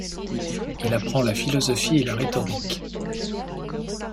Il apprend la philosophie et la rhétorique.